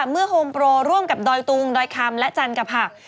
เมื่อโฮมโปรร่วมกับดอยตูงดอยคำและจันกภักดิ์